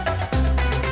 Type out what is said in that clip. saya juga ngantuk